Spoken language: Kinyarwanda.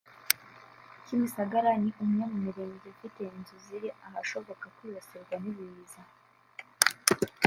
Kimisagara ni umwe mu mirenge ifite inzu ziri ahashobora kwibasirwa n’ibiza